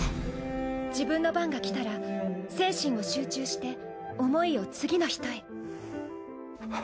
自分の番が来たら精神を集中して思いを次の人へ。